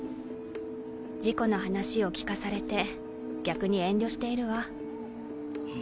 事故の話を聞かされて逆に遠慮しているわ。